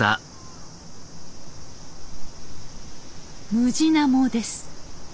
ムジナモです。